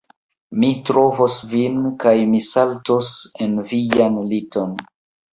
Mi trovos vin kaj mi saltos en vian liton